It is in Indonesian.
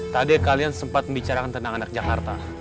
tadi kalian sempat membicarakan tentang anak jakarta